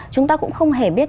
chúng ta cũng không hề biết